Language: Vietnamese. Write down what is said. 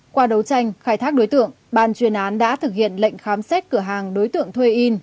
qua đấu tranh khai thác đối tượng ban chuyên án đã thực hiện lệnh khám xét cửa hàng đối tượng thuê in